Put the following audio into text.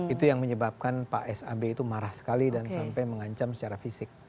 itu yang menyebabkan pak sab itu marah sekali dan sampai mengancam secara fisik